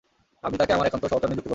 আমি তাকে আমার একান্ত সহচর নিযুক্ত করব।